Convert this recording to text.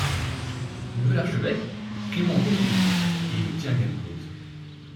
Le nouvel archevêque, Clément Roques l'écoute et il obtient gain de cause.